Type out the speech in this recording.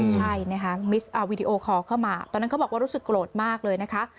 ใช่นะคะวีดีโอคอลเข้ามาตอนนั้นเขาบอกว่ารู้สึกโกรธมากเลยนะคะ